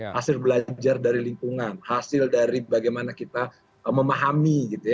hasil belajar dari lingkungan hasil dari bagaimana kita memahami gitu ya